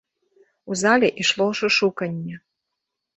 У зале ішло шушуканне.